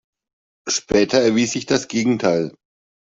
Später erwies sich das Gegenteil.